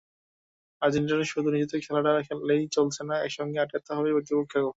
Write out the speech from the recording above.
আর্জেন্টিনার শুধু নিজেদের খেলাটা খেললেই চলছে না, একই সঙ্গে আটকাতে হবে প্রতিপক্ষকেও।